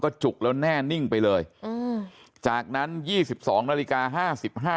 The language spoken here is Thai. ก็จุกแล้วแน่นิ่งไปเลยจากนั้น๒๒นาฬิกา